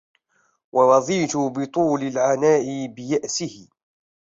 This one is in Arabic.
ورضيت من طول العناء بيأسه